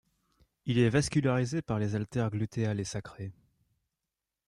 Il est vascularisé par les artères glutéales et sacrées.